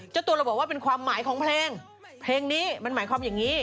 เจ้าตัวเราบอกว่าเป็นความหมายของเพลงเพลงนี้มันหมายความอย่างนี้